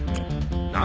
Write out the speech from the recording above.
何？